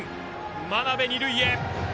真鍋、二塁へ。